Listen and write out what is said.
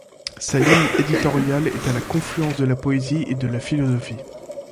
Sa ligne éditoriale est à la confluence de la poésie et de la philosophie.